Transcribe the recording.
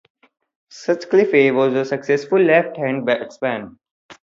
Sutcliffe was a successful left-hand batsman.